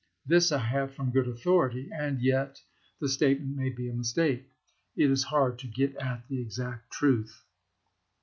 This I have from good authority, and yet the statement may be a mistake. It is hard to get at the exact truth."